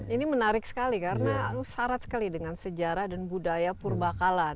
ini menarik sekali karena syarat sekali dengan sejarah dan budaya purba kala